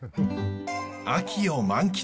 秋を満喫。